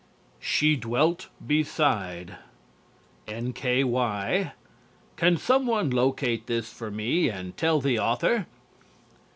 _" "SHE DWELT BESIDE" N.K.Y. Can someone locate this for me and tell the author?